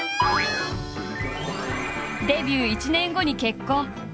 デビュー１年後に結婚。